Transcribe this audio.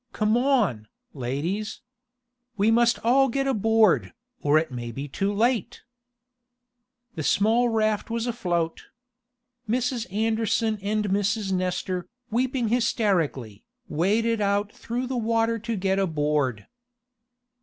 "Come on, ladies. We must all get aboard, or it may be too late!" The small raft was afloat. Mrs. Anderson and Mrs. Nestor, weeping hysterically, waded out through the water to get aboard.